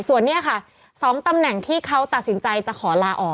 ส่วนนี้ค่ะ๒ตำแหน่งที่เขาตัดสินใจจะขอลาออก